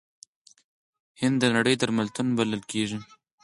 هند د نړۍ درملتون بلل کیږي.